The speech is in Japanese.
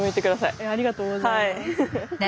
ありがとうございます。